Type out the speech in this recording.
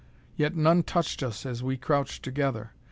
Yet none touched us as we crouched together.